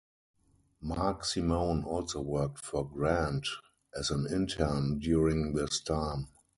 Mark Simone also worked for Grant as an intern during this time.